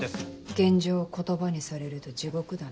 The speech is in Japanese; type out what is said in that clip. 現状を言葉にされると地獄だね。